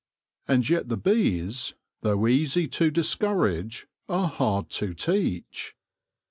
And yet the bees, though easy to discourage, are hard to teach.